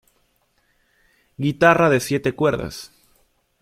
Guitarra de siete cuerdas.